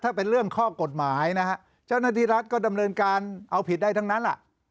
ถ้าเป็นเรื่องข้อกฎหมายนะฮะเจ้าหน้าที่รัฐก็ดำเนินการเอาผิดได้ทั้งนั้นแหละ